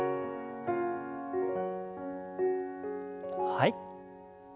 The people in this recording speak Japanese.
はい。